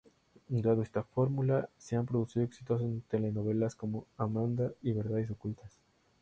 Dado esta formula, se han producido exitosas telenovelas como "Amanda" y "Verdades ocultas".